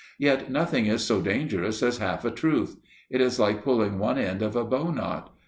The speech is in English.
Yet nothing is so dangerous as half a truth. It is like pulling one end of a bow knot.